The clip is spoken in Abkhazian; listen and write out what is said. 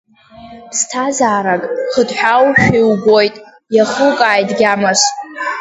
Ԥсҭазаарак, хыҭҳәааушәа, иугәоит, иахукааит гьамас?